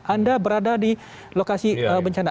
anda berada di lokasi bencana